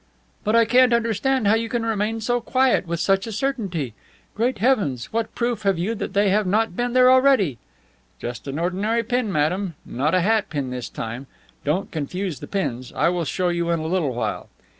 "But I can't understand how you can remain so quiet with such a certainty. Great heavens! what proof have you that they have not been there already?" "Just an ordinary pin, madame, not a hat pin this time. Don't confuse the pins. I will show you in a little while."